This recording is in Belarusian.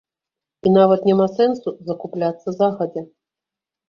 І нават няма сэнсу закупляцца загадзя.